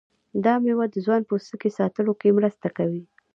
دا میوه د ځوان پوستکي ساتلو کې مرسته کوي.